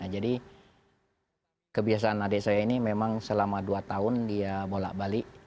jadi kebiasaan adik saya ini memang selama dua tahun dia bolak balik